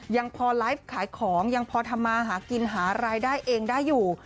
ยังพอไลฟ์ขายของยังพอทำมาหากินหารายได้เองได้อยู่